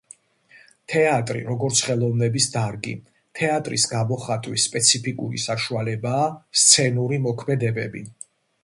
თეატრი, როგორც ხელოვნების დარგი. თეატრის გამოხატვის სპეციფიკური საშუალებაა სცენური მოქმედებები